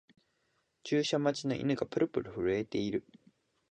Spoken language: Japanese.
注射待ちの犬がブルブル震えてる